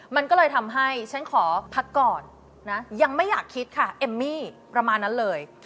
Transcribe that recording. มันก็เลยทำให้ฉันขอพักก่อนนะยังไม่อยากคิดค่ะเอมมี่ประมาณนั้นเลย